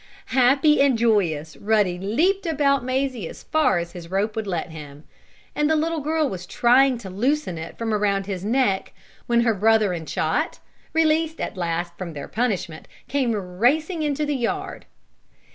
Happy and joyous, Ruddy leaped about Mazie as far as his rope would let him, and the little girl was trying to loosen it from around his neck when her brother and Chot, released at last from their punishment, came racing into the yard.